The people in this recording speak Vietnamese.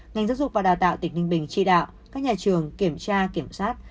ngành giáo dục và đào tạo tỉnh ninh bình tri đạo các nhà trường kiểm tra kiểm sát